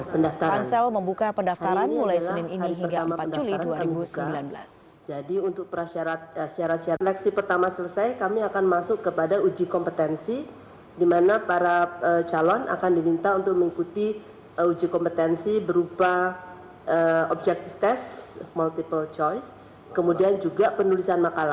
pansal membuka pendaftaran mulai senin ini hingga empat juli dua ribu sembilan belas